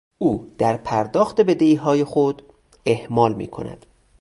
او در پرداخت بدهیهای خود اهمال میکند.